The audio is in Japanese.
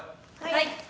はい。